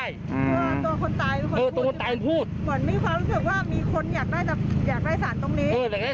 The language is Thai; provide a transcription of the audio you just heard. ไอ้พี่พ่อก็เลยแข็งมา